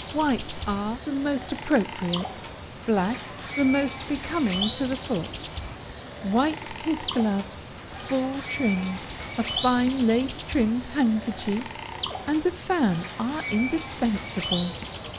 White are the most appropriate; black, the most becoming to the foot. White kid gloves, full trimmed, a fine lace trimmed handkerchief, and a fan, are indispensable.